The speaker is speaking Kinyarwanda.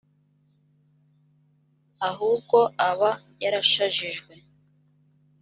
ahubwo aba yarashajijwe